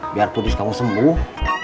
biar kudus kamu sembuh